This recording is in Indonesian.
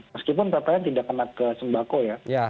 meskipun ppn tidak kena ke sembako ya